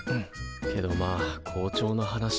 けどまあ校長の話は。